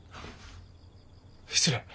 失礼。